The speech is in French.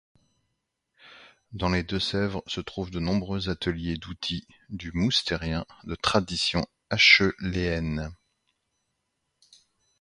Dans les Deux-Sèvres se trouvent de nombreux ateliers d'outils du Moustérien de tradition acheuléenne.